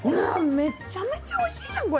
めちゃめちゃおいしいじゃん、これ。